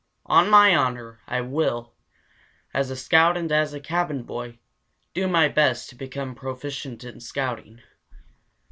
On my honor, I will, as a scout and as a cabin boy, do my best to become proficient in scouting.